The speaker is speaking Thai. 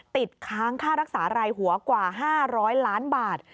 ติดค้างค่ารักษารายหัวกว่า๕๐๐ล้านบาท